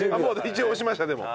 一応押しましたでも。